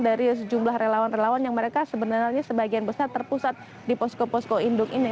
dari sejumlah relawan relawan yang mereka sebenarnya sebagian besar terpusat di posko posko induk ini